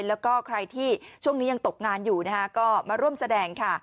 แล้วก็ใครที่ช่วงนี้ยังตกงานอยู่นะคะก็มาร่วมแสดงค่ะ